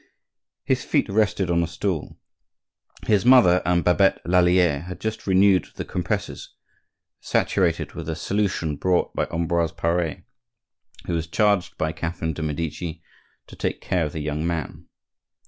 His feet rested on a stool; his mother and Babette Lallier had just renewed the compresses, saturated with a solution brought by Ambroise Pare, who was charged by Catherine de' Medici to take care of the young man.